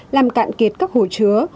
làm cạn kiệt các hồ chứa